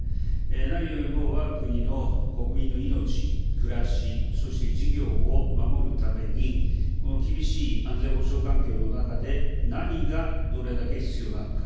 何よりもわが国の国民の命、暮らし、そして事業を守るために、この厳しい安全保障環境の中で、何が、どれだけ必要なのか。